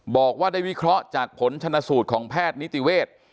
บอกว่าได้วิเคราะห์จากผลชนะสูตรของแพทย์นิติเวทย์